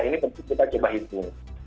ini penting kita coba hitung